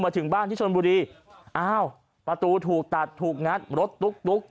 ถึงบ้านที่ชนบุรีอ้าวประตูถูกตัดถูกงัดรถตุ๊ก